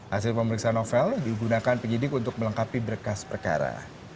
hasil pemeriksaan novel digunakan penyidik untuk melengkapi berkas perkara